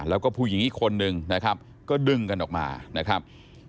แล้วก็ผู้หญิงอีกคนนึงนะครับก็ดึงกันออกมานะครับ